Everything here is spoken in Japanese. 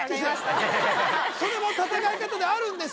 それも戦い方であるんです